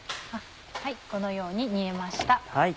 このように煮えました。